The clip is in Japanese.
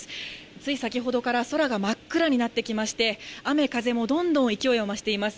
つい先ほどから空が真っ暗になってきまして、雨、風もどんどん勢いを増しています。